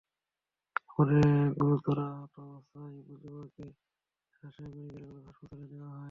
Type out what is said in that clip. পরে গুরুতর আহত অবস্থায় মজিবুরকে রাজশাহী মেডিকেল কলেজ হাসপাতালে নেওয়া হয়।